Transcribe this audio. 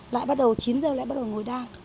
lại bắt đầu chín giờ lại bắt đầu ngồi đan